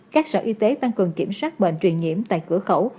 các sở y tế tăng cường kiểm soát bệnh truyền nhiễm tại cửa khẩu